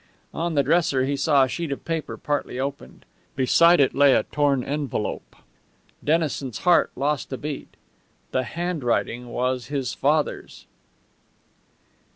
On the dresser he saw a sheet of paper partly opened. Beside it lay a torn envelope. Dennison's heart lost a beat. The handwriting was his father's!